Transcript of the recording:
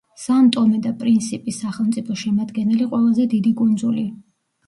სან-ტომე და პრინსიპის სახელმწიფოს შემადგენელი ყველაზე დიდი კუნძული.